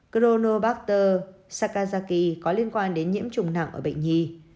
chronobacter sakazaki có liên quan đến nhiễm trùng nặng ở bệnh nhi